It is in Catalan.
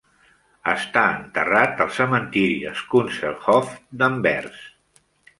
Està enterrat al cementiri Schoonselhof d'Anvers.